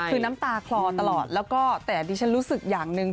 คือน้ำตาคลอตลอดแล้วก็แต่ดิฉันรู้สึกอย่างหนึ่ง